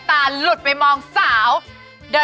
มันเป็นอะไร